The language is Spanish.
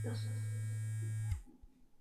Es local en su Estadio Libertarios Unidos.